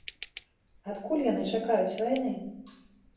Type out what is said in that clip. Адкуль яны чакаюць вайны?